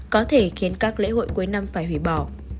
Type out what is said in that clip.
có thể khiến các lễ hội cuối năm phải hủy bỏ